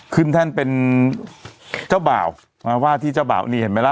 แท่นเป็นเจ้าบ่าวว่าที่เจ้าบ่าวนี่เห็นไหมล่ะ